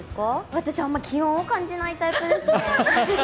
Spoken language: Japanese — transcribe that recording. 私、あまり気温を感じないタイプですね。